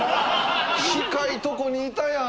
近いとこにいたやん！